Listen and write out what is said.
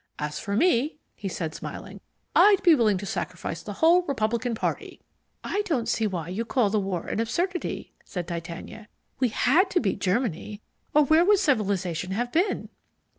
As for me," he said, smiling, "I'd be willing to sacrifice the whole Republican party!" "I don't see why you call the war an absurdity," said Titania. "We HAD to beat Germany, or where would civilization have been?"